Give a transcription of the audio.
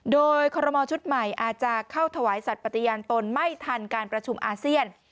โดยคอรมอลชุดใหม่อาจจะเข้าถวายสัตว์ปฏิญาณตนไม่ทันการประชุมอาเซียน